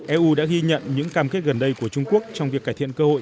eu đã ghi nhận những cam kết gần đây của trung quốc trong việc cải thiện cơ hội